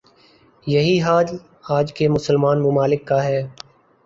یہی حال آج کے مسلمان ممالک کا ہے ۔